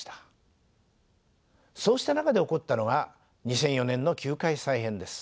そうした中で起こったのが２００４年の球界再編です。